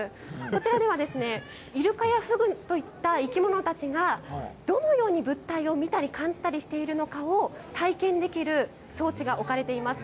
こちらでは、イルカやフグといった生き物たちがどのように物体を見たり感じたりしているのかを体験できる装置が置かれています。